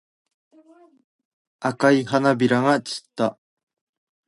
赤い花びらが散った。